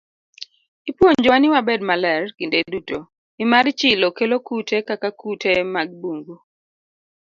Ipuonjowa ni wabed maler kinde duto, nimar chilo kelo kute kaka kute mag bungu.